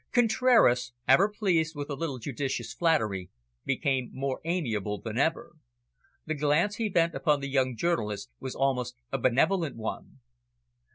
Contraras, ever pleased with a little judicious flattery, became more amiable than ever. The glance he bent upon the young journalist was almost a benevolent one.